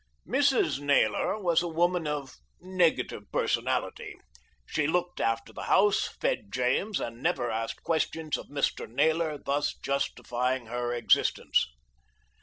Mrs. Naylor was a woman of negative personality. She looked after the house, fed James and never asked questions of Mr. Naylor, thus justifying her existence.